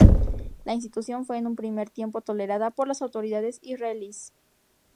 La institución fue en un primer tiempo tolerada por las autoridades israelíes.